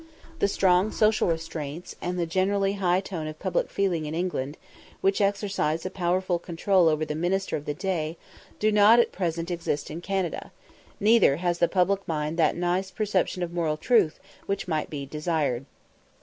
The strong social restraints, and the generally high tone of public feeling in England, which exercise a powerful control over the minister of the day, do not at present exist in Canada; neither has the public mind that nice perception of moral truth which might be desired.